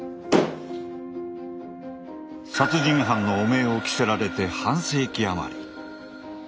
殺人犯の汚名を着せられて半世紀余り。